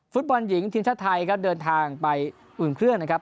ฟุตบอลหญิงทีมชาติไทยครับเดินทางไปอุ่นเครื่องนะครับ